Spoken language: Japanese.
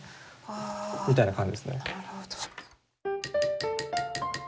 みたいな感じですね。